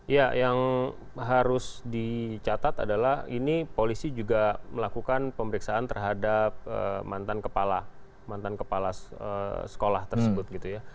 ya yang harus dicatat adalah ini polisi juga melakukan pemeriksaan terhadap mantan kepala sekolah tersebut